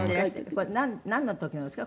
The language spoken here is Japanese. これなんの時のですか？